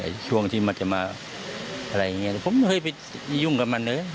ช่วงที่มันจะมาอะไรอย่างนี้ผมไม่เคยไปยุ่งกับมันเลย